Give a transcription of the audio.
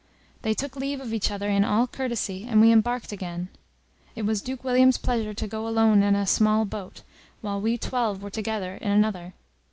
They took leave of each other in all courtesy, and we embarked again. It was Duke William's pleasure to go alone in a small boat, while we twelve were together in another.